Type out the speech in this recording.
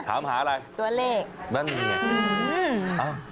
ถามหาอะไรตัวเลขนั่นนี่ไง